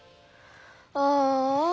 ああ。